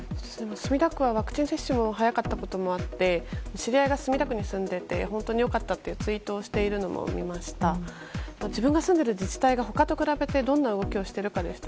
墨田区はワクチン接種も早かったこともあって知り合いが墨田区に住んでいて本当に良かったとツイートをしているのも見ました。